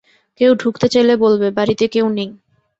কেউ ঢুকতে চাইলে বলবে, বাড়িতে কেউ নেই।